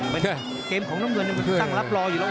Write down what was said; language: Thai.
เป็นเกมของน้ำเงินมันตั้งรับรออยู่แล้ว